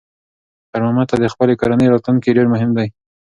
خیر محمد ته د خپلې کورنۍ راتلونکی ډېر مهم دی.